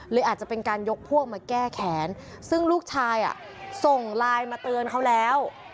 อาจจะเป็นการยกพวกมาแก้แขนซึ่งลูกชายส่งไลน์มาเตือนเขาแล้ว